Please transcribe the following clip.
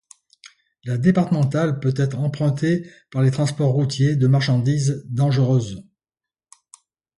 La départementale peut être empruntée par les transports routiers de marchandises dangereuses.